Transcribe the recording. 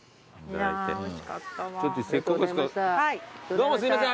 どうもすいません。